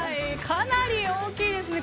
かなり大きいですね。